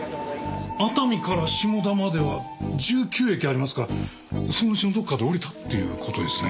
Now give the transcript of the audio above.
熱海から下田までは１９駅ありますからそのうちのどっかで降りたっていう事ですね。